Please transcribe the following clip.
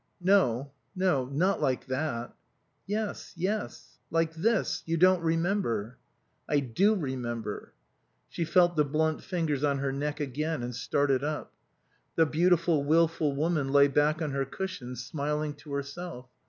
"No. No. Not like that." "Yes. Yes. Like this. You don't remember." "I do remember." She felt the blunt fingers on her neck again and started up. The beautiful, wilful woman lay back on her cushions, smiling to herself.